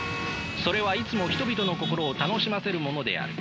それはいつも人々の心を楽しませるものである。